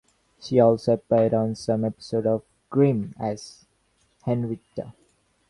She also appeared on some episodes of "Grimm" as Henrietta.